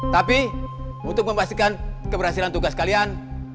tapi untuk memastikan keberhasilan tugas kalian